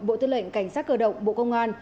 bộ tư lệnh cảnh sát cơ động bộ công an